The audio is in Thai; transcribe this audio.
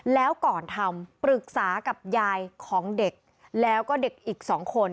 แล้วก่อนทำปรึกษากับยายของเด็กแล้วก็เด็กอีก๒คน